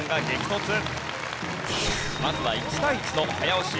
まずは１対１の早押し。